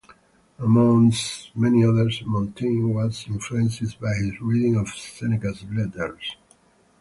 Amongst many others, Montaigne was influenced by his reading of Seneca's letters.